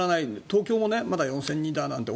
東京もまだ４０００人とかで